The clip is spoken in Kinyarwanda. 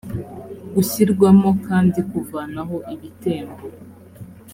gushyirwamo kandi kuvanaho ibitembo